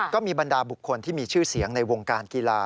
บรรดาบุคคลที่มีชื่อเสียงในวงการกีฬา